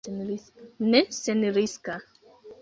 Ne senriska!